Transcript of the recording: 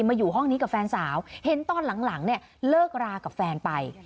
มาอยู่ห้องนี้กับแฟนสาวเห็นตอนหลังเนี่ยเลิกรากับแฟนไป